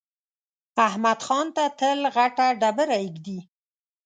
احمد ځان ته تل غټه ډبره اېږدي.